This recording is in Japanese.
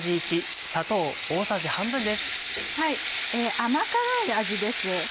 甘辛い味です。